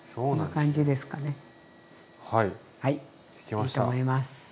いいと思います。